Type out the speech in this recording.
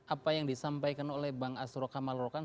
apa yang disampaikan oleh bang asro kamal rokan